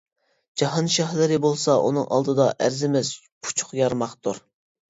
جاھان شاھلىرى بولسا ئۇنىڭ ئالدىدا ئەرزىمەس پۇچۇق يارماقتۇر.